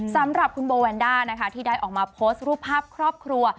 สำหรับคุณโบแวนด้านะคะที่ได้ออกมาโพสต์รูปภาพครอบครัว